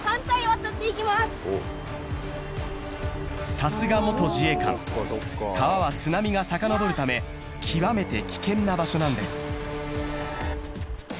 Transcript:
さすが元自衛官川は津波がさかのぼるため極めて危険な場所なんです